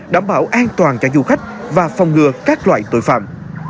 đảm bảo an toàn cho du khách và phòng ngừa các loại tội phạm